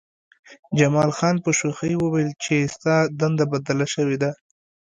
جمال خان په شوخۍ وویل چې ستا دنده بدله شوې ده